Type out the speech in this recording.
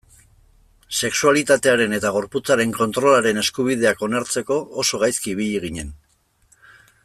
Sexualitatearen eta gorputzaren kontrolaren eskubideak onartzeko oso gaizki ibili ginen.